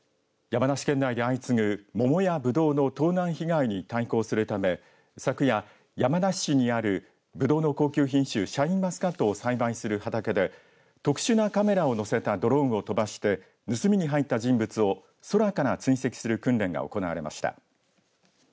山梨県内で相次ぐ桃やぶどうの盗難被害に対抗するため昨夜、山梨市にあるぶどうの高級品種シャインマスカットを栽培する畑で特殊なカメラを載せたドローンを飛ばして盗みに入った人物を空から追跡する訓練が行われました。